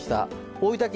大分県